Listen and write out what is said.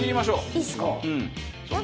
いいですか？